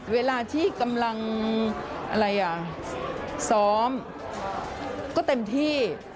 เวลาที่กำลังอะไรอ่ะซ้อมก็เต็มที่